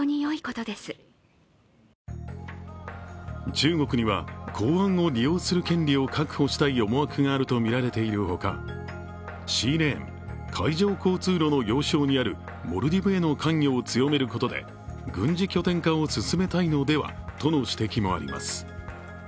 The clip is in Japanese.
中国には港湾を利用する権利を隠したい思惑があるとみられているほか、シーレーン＝海上交通路の要衝にあるモルディブへの関与を強めることで軍事拠点化を進めたいのではとの指摘もあります。